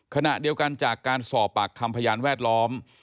ขณะเดียวกันจากการสอบปากคำพยานแวดล้อม